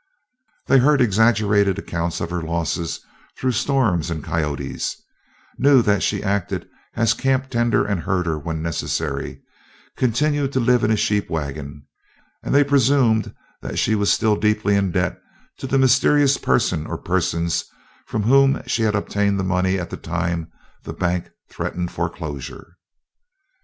They heard exaggerated accounts of her losses through storms and coyotes, knew that she acted as camptender and herder when necessary, continued to live in a sheep wagon, and they presumed that she was still deeply in debt to the mysterious person or persons from whom she had obtained money at the time the bank threatened foreclosure.